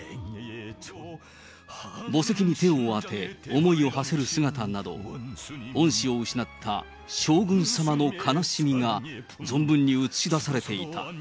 墓石に手を当て、思いをはせる姿など、恩師を失った将軍様の悲しみが、存分に映し出されていた。